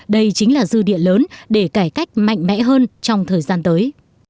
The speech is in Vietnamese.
đây chính là dư địa lớn để cải cách mạnh mẽ hơn trong thời gian tới